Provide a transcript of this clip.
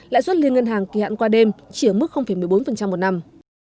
lãi suất liên ngân hàng kỳ hạn qua đêm chỉ ở mức một mươi bốn một năm